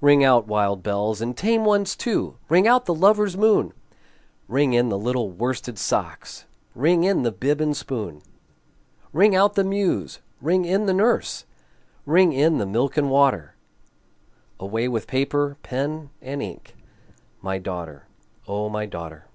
Ring out, wild bells, and tame ones too! Ring out the lover's moon! Ring in the little worsted socks! Ring in the bib and spoon! Ring out the muse! ring in the nurse! Ring in the milk and water! Away with paper, pen, and ink My daughter, O my daughter!